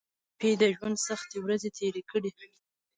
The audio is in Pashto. ټپي د ژوند سختې ورځې تېرې کړي.